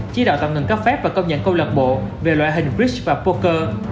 chỉ đạo tạm ngừng các phép và công nhận câu lạc bộ về loại hình bridge và poker